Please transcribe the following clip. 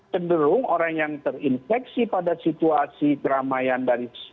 cenderung orang yang terinfeksi pada situasi keramaian dari